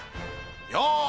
よし！